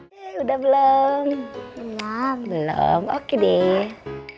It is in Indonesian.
hai udah belum belum belum oke deh